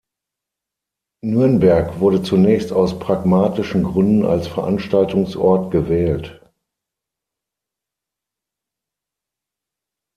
Nürnberg wurde zunächst aus pragmatischen Gründen als Veranstaltungsort gewählt.